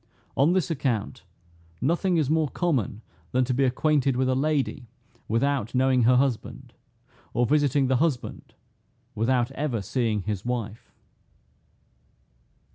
On this account, nothing is more common than to be acquainted with a lady without knowing her husband, or visiting the husband without ever seeing his wife.